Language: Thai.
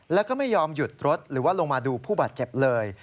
แล้วก็ไม่ยอมหยุดรถหรือว่าลงมาดูผู้บาดเจ็บเลย